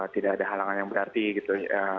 tidak ada halangan yang berarti gitu